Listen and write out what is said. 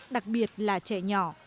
đặc biệt là trẻ nhỏ